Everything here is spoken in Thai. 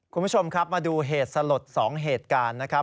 คุณผู้ชมครับมาดูเหตุสลด๒เหตุการณ์นะครับ